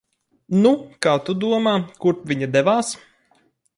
Nu, kā tu domā, kurp viņa devās?